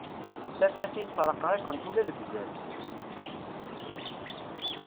Tafatin ttreqriqent ula deg wazal.